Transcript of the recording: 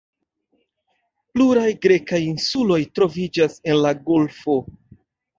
Pluraj grekaj insuloj troviĝas en la golfo.